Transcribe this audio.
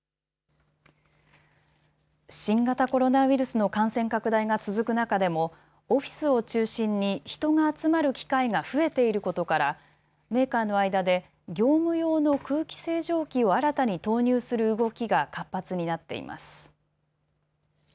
新型コロナウイルスの感染拡大が続く中でもオフィスを中心に人が集まる機会が増えていることからメーカーの間で業務用の空気清浄機を新たに投入する動きが活発になっています。